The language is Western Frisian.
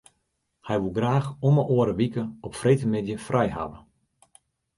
Hy woe graach om 'e oare wike op freedtemiddei frij hawwe.